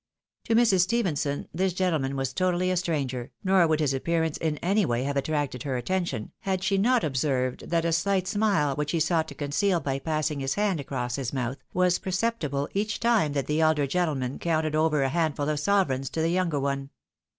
To Mrs. Stephen son this gentleman was totally a stranger, nor would his ap pearance in any way have attracted her attention, had she not observed that a slight smile, which he sought to conceal by passing his hand across his mouth, was perceptible each time that the elder gentleman counted over a handful of sovereigns to the younger one.